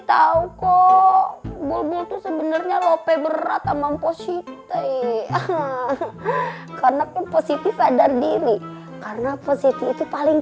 tahu kok bobot sebenarnya lope berat amang posisi karena posisi sadar diri karena posisi itu paling